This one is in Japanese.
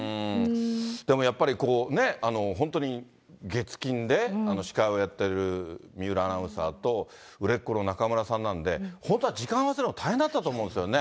でもやっぱりこうね、本当に、月金で司会をやってる水卜アナウンサーと、売れっ子の中村さんなんで、本当は時間合わせるの大変だったと思うんですよね。